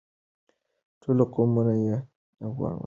ټول قومونه یو افغان ولس دی.